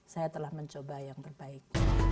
saya telah mencoba yang terbaik